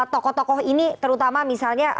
tokoh tokoh ini terutama misalnya